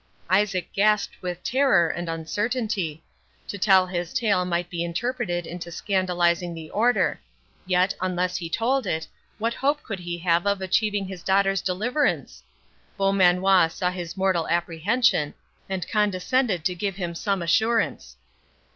Isaac gasped with terror and uncertainty. To tell his tale might be interpreted into scandalizing the Order; yet, unless he told it, what hope could he have of achieving his daughter's deliverance? Beaumanoir saw his mortal apprehension, and condescended to give him some assurance.